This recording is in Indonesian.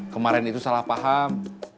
kemarin itu salah paham